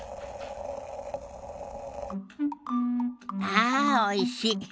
ああおいし。